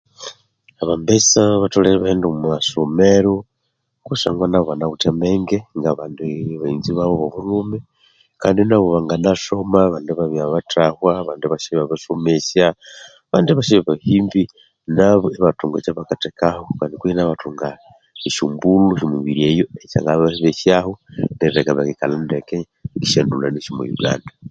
Abambesa batholere ibaghende omwa masomero kusangwa nabo banawithe amenge nga bandi baghenzi babo abo bulhume kandi nabo bangana soma abandi ibabya bathahwa abandi iba syabya basomesya abandi ibasabya bahimbi nabo ibathunga ekyabakathekaho kandi kwehi nabo ibathunga osyombulho syomumibiri eyo esyanga babesyaho erileka bakikalha ndeke ngesyondulhani syomwa Yuganda